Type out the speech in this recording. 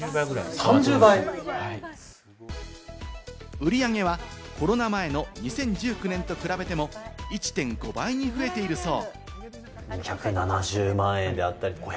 売り上げはコロナ前の２０１９年と比べても１．５倍に増えているそう。